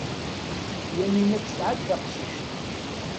Yamina tesɛa-d taqcict.